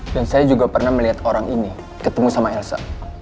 dan saya juga pernah melihat orang ini ketemu sama elsa